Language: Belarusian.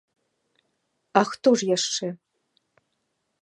А хто ж яшчэ?